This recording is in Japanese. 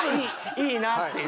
いいなっていう。